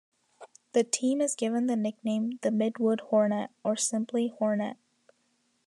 The team is given the nickname "The Midwood Hornet" or simply "Hornet".